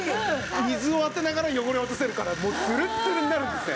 水を当てながら汚れを落とせるからもうツルッツルになるんですね。